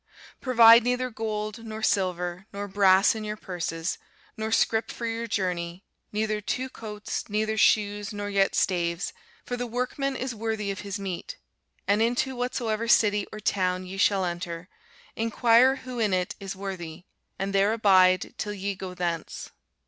Provide neither gold, nor silver, nor brass in your purses, nor scrip for your journey, neither two coats, neither shoes, nor yet staves: for the workman is worthy of his meat. And into whatsoever city or town ye shall enter, enquire who in it is worthy; and there abide till ye go thence.